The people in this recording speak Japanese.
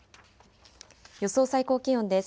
予想最高気温です。